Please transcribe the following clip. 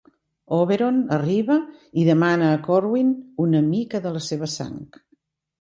Oberon arriba i demana a Corwin una mica de la seva sang.